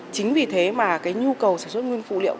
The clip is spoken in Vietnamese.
chính vì thế mà cái nhu cầu sản xuất nguyên phụ liệu